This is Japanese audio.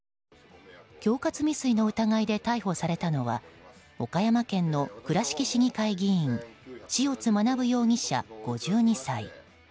恐喝未遂の疑いで逮捕されたのは岡山県の倉敷市議会議員塩津学容疑者、５２歳。